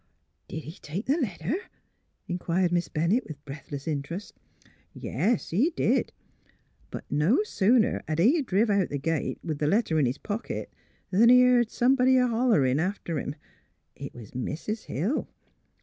' Did he take the letter ?' 'inquired Miss Ben nett, with breathless interest. '' Yes ; he did. But no sooner had he driv ' out the gate, with the letter in his pocket 'an he heard somebody a hollerin' after him. It was Mis' Hill.